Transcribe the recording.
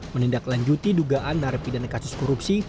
menindaklanjuti dugaan narapi dana kasus korupsi